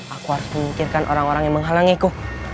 aku harus memikirkan orang orang yang menghalangiku